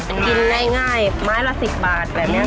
มันกินง่ายไม้ละ๑๐บาทแบบนี้ค่ะ